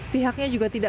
pihaknya juga tidak